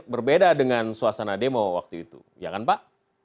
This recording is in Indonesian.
berbeda dengan suasana demo waktu itu ya kan pak